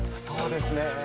そうですね。